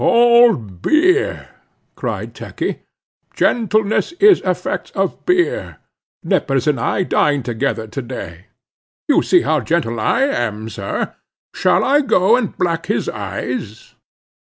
"All beer," cried Turkey; "gentleness is effects of beer—Nippers and I dined together to day. You see how gentle I am, sir. Shall I go and black his eyes?"